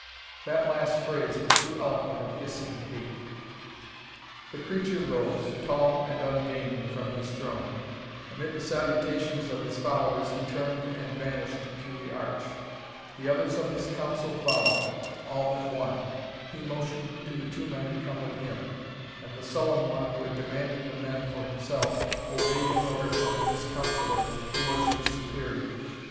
That last phrase was too eloquent of hissing hate. The creature rose, tall and ungainly, from his throne; amid the salutations of his followers he turned and vanished through the arch. The others of his council followed, all but the one. He motioned to the two men to come with him, and the sullen one who had demanded the men for himself obeyed an order from this councilor who was his superior.